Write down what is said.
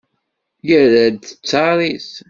Yerra-d ttar-is.